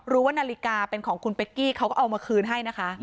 ว่านาฬิกาเป็นของคุณเป๊กกี้เขาก็เอามาคืนให้นะคะ